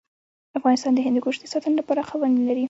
افغانستان د هندوکش د ساتنې لپاره قوانین لري.